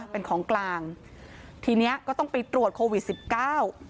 เป็นของกลางทีเนี้ยก็ต้องไปตรวจโควิดสิบเก้า